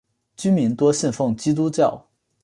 居民多信奉基督教。